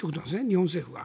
日本政府は。